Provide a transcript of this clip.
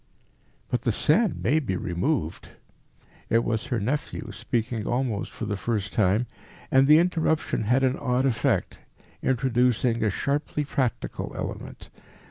"But the sand may be removed." It was her nephew, speaking almost for the first time, and the interruption had an odd effect, introducing a sharply practical element.